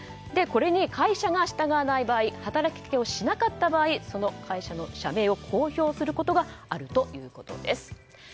これに会社が従わない場合働きかけをしなかった場合その会社の社名を公表することがあるということです。